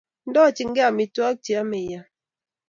Ndochinkey amitwogik che yame iam